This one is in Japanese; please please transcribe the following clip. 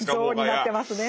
像になってますね。